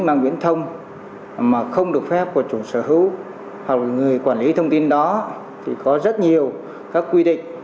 mạng viễn thông mà không được phép của chủ sở hữu hoặc là người quản lý thông tin đó thì có rất nhiều các quy định